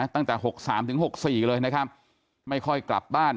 ตั้งแต่๖๓ถึง๖๔เลยนะครับไม่ค่อยกลับบ้าน